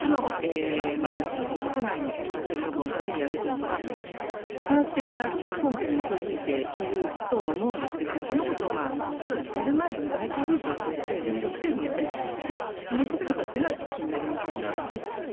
ある種、私たちも報道で見ていると死者数が明らかに少ない中である種の日本国内の感染予防のためにやるというのは科学的な根拠に基づいているとは思うんですがそのことを例えば、やる前に外交ルートを通じて中国政府にきちんと説明していたのかは気になります。